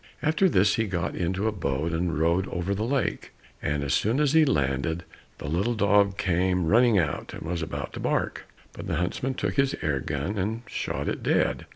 After this he got into a boat and rowed over the lake, and as soon as he landed, the little dog came running out, and was about to bark, but the huntsman took his air gun and shot it dead.